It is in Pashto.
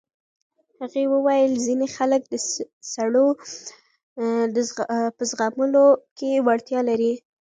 هغې وویل ځینې خلک د سړو په زغملو کې وړتیا لري.